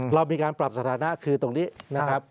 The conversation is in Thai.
เรามีการปรับสถานะคือตรงนี้นะครับ